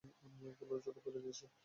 আমি ওগুলো ছুড়ে ফেলে দিয়েছি।